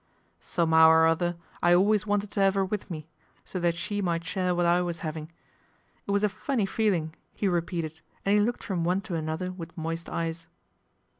" Somehow or other I ,lways wanted to 'ave 'er with me, so that she light share what I was 'aving. It was a funny ;eling," lie repeated, and he looked from one to nother with moist eyes.